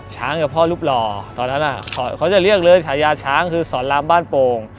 กับพ่อรูปหล่อตอนนั้นเขาจะเรียกเลยฉายาช้างคือสอนรามบ้านโป่ง